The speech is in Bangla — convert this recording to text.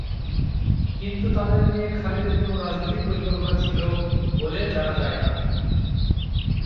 কিন্তু তাঁদের নিয়ে খালেদের কোনো রাজনৈতিক পরিকল্পনা ছিল বলে জানা যায় না।